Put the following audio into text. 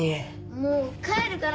もう帰るから！